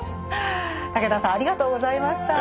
武田さんありがとうございました。